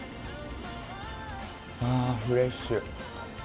あ、フレッシュ。